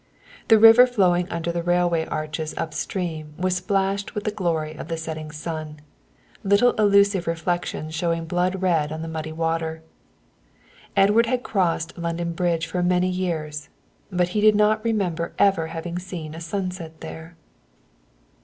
The river flowing under the railway arches up stream was splashed with the glory of the setting sun, little elusive reflections showing blood red on the muddy water. Edward had crossed London Bridge for many years, but he did not remember ever having seen a sunset there.